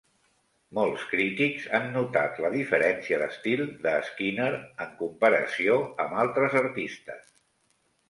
Molts crítics han notat la diferència d'estil de Skinner en comparació amb altres artistes.